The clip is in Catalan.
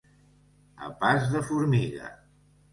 A pas de formiga.